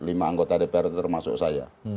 lima anggota dpr itu termasuk saya